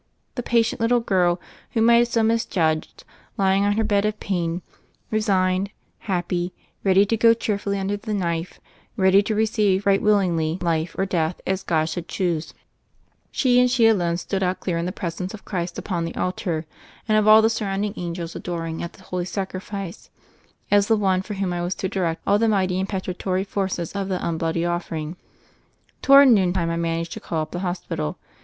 The patient little girl, whom I had so misjudged, lymg on her bed of pain, resigned, happy, ready to go cheerfully under the knife, ready to receive right willingly life or death as God should choose — she, and she alone, stood out clear in the presence of Christ upon the altar and of all the surrounding angels adoring at the Holy Sacrifice, as the one for whom I was to direct all the mighty impetratory forces of the un bloody offering. Toward noon time I managed to call up the hospital.